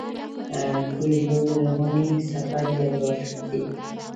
کویلیو د روحاني سفر یو لارښود دی.